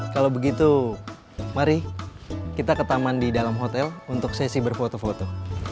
kalau begitu mari kita ke taman di dalam hotel untuk sesi berfoto foto